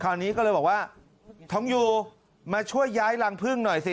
คราวนี้ก็เลยบอกว่าท้องยูมาช่วยย้ายรังพึ่งหน่อยสิ